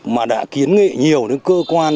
mà đã kiến nghệ nhiều những cơ quan